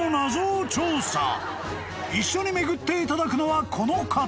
［一緒に巡っていただくのはこの方］